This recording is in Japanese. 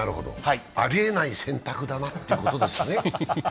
ありえない選択だなということですね。